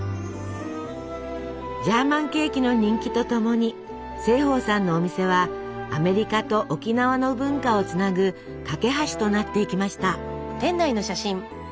ジャーマンケーキの人気とともに盛保さんのお店はアメリカと沖縄の文化をつなぐ架け橋となっていきました。